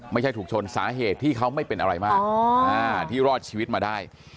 ไม่ใช่ถูกชนสาเหตุที่เขาไม่เป็นอะไรมากที่รอดชีวิตมาได้